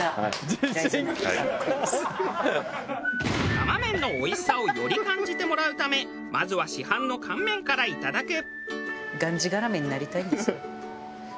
生麺のおいしさをより感じてもらうためまずは市販の乾麺からいただく。